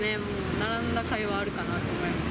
並んだかいはあるかなと思います。